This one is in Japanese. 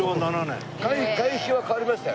外壁は変わりましたよね。